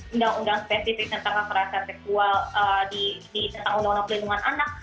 undang undang spesifik yang terkena keterasan seksual di tentang undang undang pelindungan anak